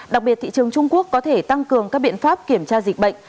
đặc biệt thị trường trung quốc có thể tăng cường các biện pháp kiểm tra dịch bệnh